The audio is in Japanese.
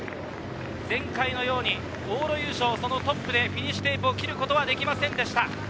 前回のように往路優勝、トップでフィニッシュテープを切ることはできませんでした。